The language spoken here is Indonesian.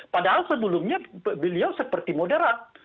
padahal sebelumnya beliau seperti moderat